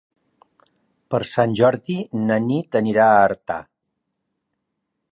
Per Sant Jordi na Nit anirà a Artà.